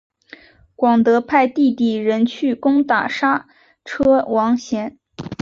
广德派弟弟仁去攻打莎车王贤。